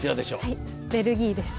はいベルギーです。